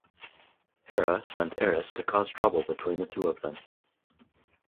Hera sent Eris to cause trouble between the two of them.